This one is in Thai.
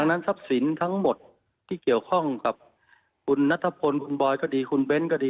นั้นทรัพย์สินทั้งหมดที่เกี่ยวข้องกับคุณนัทพลคุณบอยก็ดีคุณเบ้นก็ดี